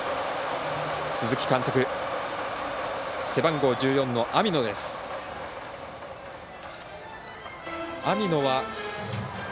鈴木監督、背番号１４の網野です。